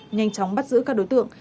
nhanh chóng bắt giữ các đối tượng